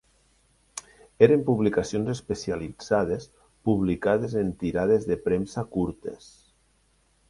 Eren publicacions especialitzades publicades en tirades de premsa curtes.